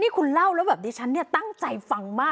คุณเล่าแล้วแบบนี้ฉันเนี่ยตั้งใจฟังมาก